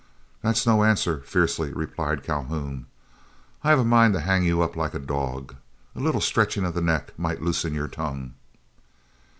"That's no answer," fiercely replied Calhoun, "I have a mind to hang you up like a dog. A little stretching of the neck might loosen your tongue."